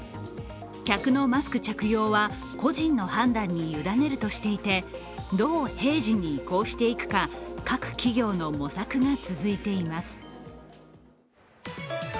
客のマスク着用は個人の判断に委ねるとしていてどう平時に移行していくか各企業の模索が続いています。